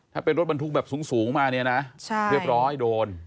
ถ้าเป็นรถบรรทุกแบบสูงมาเนี่ยนะเรียบร้อยโดน